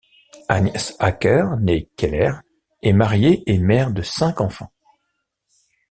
Agnès Acker, née Keller, est mariée et mère de cinq enfants.